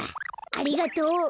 ありがとう！